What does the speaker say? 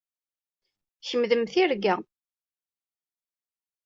Kemm d mm tirga.